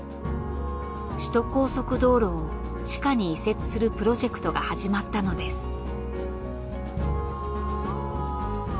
首都高速道路を地下に移設するプロジェクトが始まったのです。